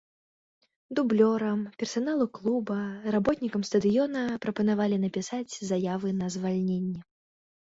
Дублёрам, персаналу клуба, работнікам стадыёна прапанавалі напісаць заявы на звальненне.